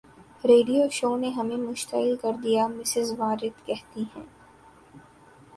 radio show نے ہمیں مشتعل کر دیا مسز وارد کہتی ہے